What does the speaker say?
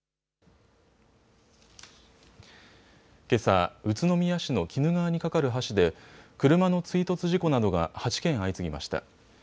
けさ、宇都宮市の鬼怒川に架かる橋で車の追突事故などが８件相次ぎました。